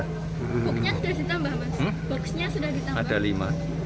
boxnya sudah ditambah mas